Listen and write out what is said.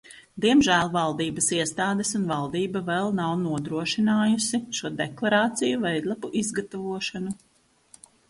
Diemžēl valdības iestādes un valdība vēl nav nodrošinājusi šo deklarāciju veidlapu izgatavošanu.